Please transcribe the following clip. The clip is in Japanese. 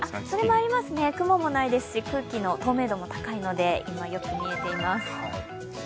それもありますね、雲もないですし、空気の透明度も高いので今、よく見えています。